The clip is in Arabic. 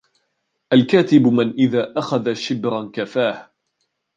الْكَاتِبُ مَنْ إذَا أَخَذَ شِبْرًا كَفَاهُ